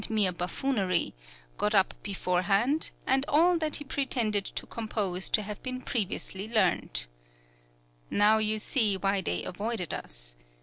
} (68) mere buffoonery, got up beforehand, and all that he pretended to compose to have been previously learnt. Now you see why they avoided us.